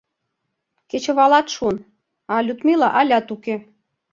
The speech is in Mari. Кечывалат шуын, а Людмила алят уке.